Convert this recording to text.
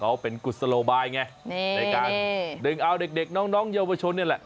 เขาเป็นกุศโลบายไงนี่ในการดึงเอาเด็กเด็กน้องน้องเยาวชนเนี่ยแหละ